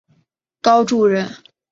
高翥人。